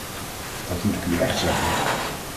Dat moet ik u echt zeggen.